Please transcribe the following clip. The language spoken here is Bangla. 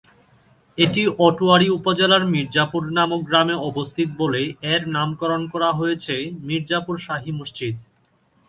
এটি আটোয়ারী উপজেলার মির্জাপুর নামক গ্রামে অবস্থিত বলে এর নামকরণ করা হয়েছে মির্জাপুর শাহী মসজিদ।